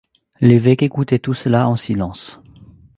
L’évêque écoutait tout cela en silence.